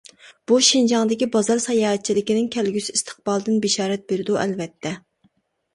بۇ شىنجاڭدىكى بازار ساياھەتچىلىكىنىڭ كەلگۈسى ئىستىقبالىدىن بېشارەت بېرىدۇ، ئەلۋەتتە.